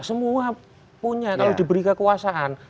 semua punya kalau diberi kekuasaan